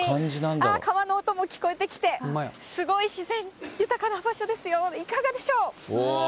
川の音もきこえてきて、すごい自然豊かな場所ですよ、いかがでしょう。